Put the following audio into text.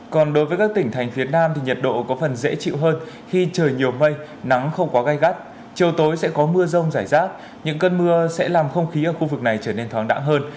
còn đối với các tỉnh thành phía nam thì nhiệt độ có phần dễ chịu hơn khi trời nhiều mây nắng không quá gai gắt chiều tối sẽ có mưa rông rải rác những cơn mưa sẽ làm không khí ở khu vực này trở nên thoáng đẳng hơn